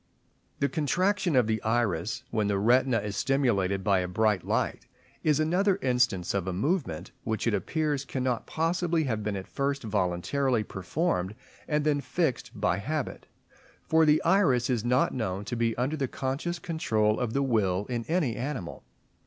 The contraction of the iris, when the retina is stimulated by a bright light, is another instance of a movement, which it appears cannot possibly have been at first voluntarily performed and then fixed by habit; for the iris is not known to be under the conscious control of the will in any animal.